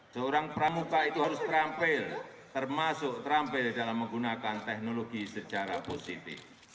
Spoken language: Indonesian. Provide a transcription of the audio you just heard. seorang pramuka itu harus terampil termasuk terampil dalam menggunakan teknologi secara positif